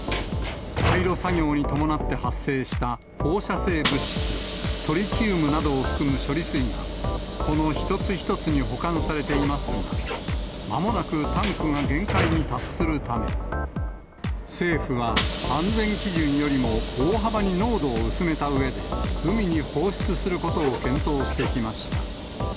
廃炉作業に伴って発生した放射性物質、トリチウムなどを含む処理水が、この一つ一つに保管されていますが、まもなくタンクが限界に達するため、政府は安全基準よりも大幅に濃度を薄めたうえで、海に放出することを検討してきました。